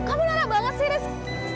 kamu marah banget sih rizky